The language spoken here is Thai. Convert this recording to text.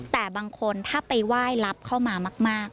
แต่บางคนถ้าไปไหว้รับเข้ามามาก